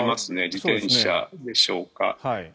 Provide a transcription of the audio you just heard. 自転車でしょうか。